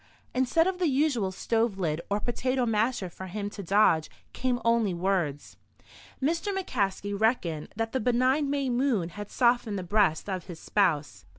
Instead of the usual stove lid or potato masher for him to dodge, came only words. Mr. McCaskey reckoned that the benign May moon had softened the breast of his spouse.